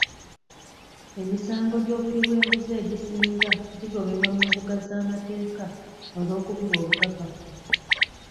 Emisango gy'obuli bw'enguzi egisinga gigobebwa mu mbuga z'amateeka olw'okubulwa obukakafu.